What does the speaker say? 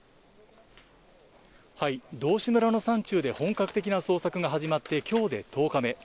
道志村の山中で本格的な捜索が始まって、きょうで１０日目。